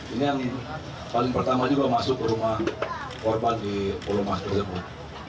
ini yang paling pertama juga masuk ke rumah korban di pulau mas tersebut